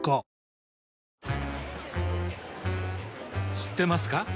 知ってますか？